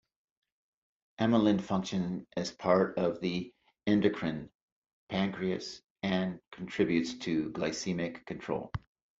Amylin functions as part of the endocrine pancreas and contributes to glycemic control.